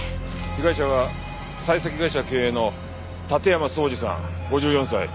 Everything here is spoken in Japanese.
被害者は採石会社経営の館山荘司さん５４歳。